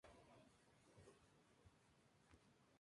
Las autoridades auxiliares del municipio que tienen base en la ciudad.